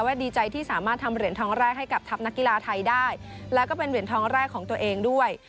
ดีใจที่สามารถทำเหรียญทองแรกให้กับทัพนักกีฬาไทยได้แล้วก็เป็นเหรียญทองแรกของตัวเองด้วย